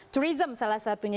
tourism salah satunya